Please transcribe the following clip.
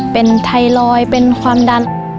เป็นไทรอยด์เป็นความดัน